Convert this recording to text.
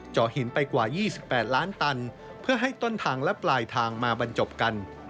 หินไปกว่า๒๘ล้านตันเพื่อให้ต้นทางและปลายทางมาบรรจบกัน